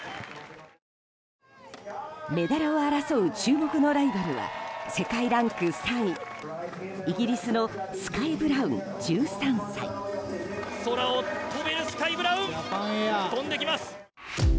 メダルを争う注目のライバルは世界ランク３位、イギリスのスカイ・ブラウン、１３歳。